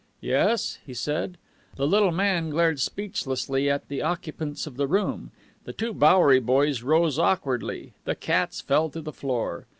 "Yes?" he said. The little man glared speechlessly at the occupants of the room. The two Bowery boys rose awkwardly. The cats fell to the floor.